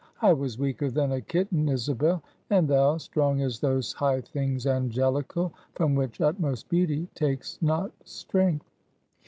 I was weaker than a kitten, Isabel; and thou, strong as those high things angelical, from which utmost beauty takes not strength."